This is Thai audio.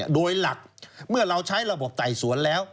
โดยหลักเมื่อเราใช้ระบบไต่สวนแล้ว